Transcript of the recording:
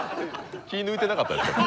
気ぃ抜いてなかったですか？